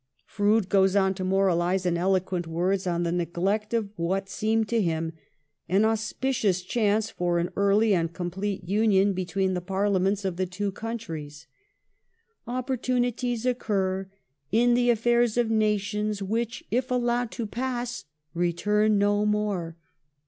Froude goes on to moralise in eloquent words on the neglect of what seemed to him an auspicious chance for an early and complete tinion between the Parliaments of the two countries. ' Opportunities occur in the affairs of nations which, if allowed to pass, return no more.